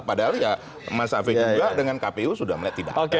padahal ya mas afiq juga dengan kpu sudah melihat tidak